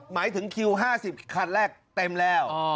หมายถึงคิวห้าสิบคันแรกเต็มแล้วอ๋อ